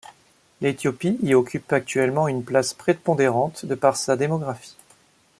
L’Éthiopie y occupe actuellement une place prépondérante de par sa démographie.